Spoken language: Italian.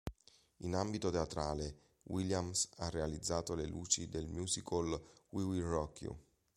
In ambito teatrale, Williams ha realizzato le luci del musical We Will Rock You.